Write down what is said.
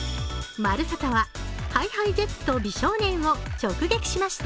「まるサタ」はＨｉＨｉＪｅｔｓと美少年を直撃しました。